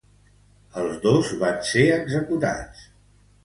Els dos van ser executats.